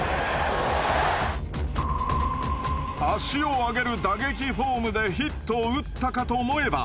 足を上げる打撃フォームでヒットを打ったかと思えば。